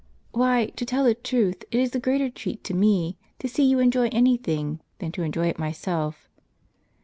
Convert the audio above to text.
" Why, to tell the truth, it is a greater treat to me, to see you enjoy any thing, than to enjoy it myself."